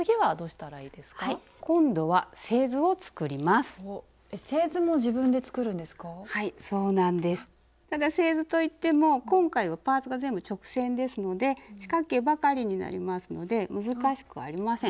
ただ製図といっても今回はパーツが全部直線ですので四角形ばかりになりますので難しくありません。